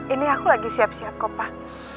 ini aku lagi siap siap kok pak